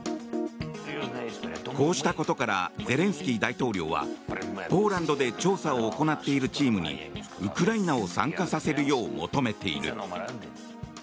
こうしたことからゼレンスキー大統領はポーランドで調査を行っているチームにウクライナを参加させるよう求めている。